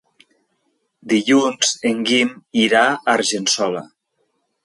Dilluns en Guim irà a Argençola.